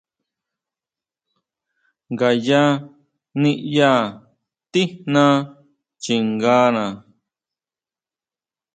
Ngaya niʼya tijná chingana.